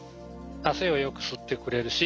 汗をよく吸ってくれるし